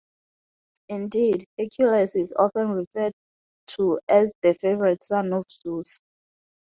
Indeed, Hercules is often referred to as "the favorite son of Zeus".